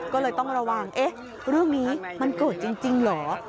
ก็เลยต้องระวังเอ๊ะเรื่องนี้มันเกิดจริงเหรอ